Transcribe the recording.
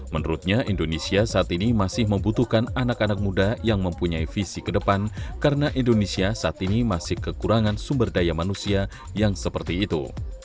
menurutnya indonesia saat ini masih membutuhkan anak anak muda yang mempunyai visi ke depan karena indonesia saat ini masih kekurangan sumber daya manusia yang seperti itu